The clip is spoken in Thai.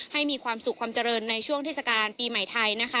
ให้มีความสุขความเจริญในช่วงเทศกาลปีไหมทาย